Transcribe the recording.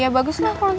ya bagus lah kalau gitu